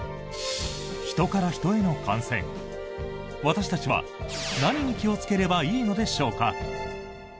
人から人への感染私たちは、何に気をつければいいのでしょうか。